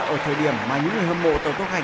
ở thời điểm mà những người hâm mộ tổng thúc hành